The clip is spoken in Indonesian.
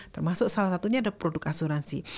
termasuk salah satunya ada produk asuransi